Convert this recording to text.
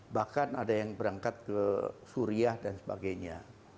bahkan ada yang berangkat ke suriah dan sebagainya